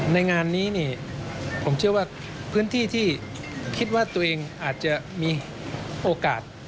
ในงานนี้ผมเชื่อว่าพื้นที่ที่คิดว่าตัวเองอาจจะมีโอกาส